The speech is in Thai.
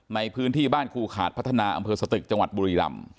ในพื้นที่บ้านครูขาดพัฒนาอำเภอสตึกจังหวัดบุรีรำ